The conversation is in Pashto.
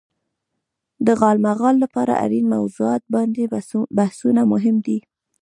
د غالمغال لپاره اړين موضوعات باندې بحثونه مهم دي.